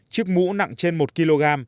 chiếc mũ nặng trên một kg